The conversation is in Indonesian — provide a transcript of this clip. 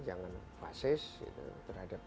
jangan fasis terhadap